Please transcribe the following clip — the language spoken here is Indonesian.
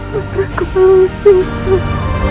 putraku leluhur sungsang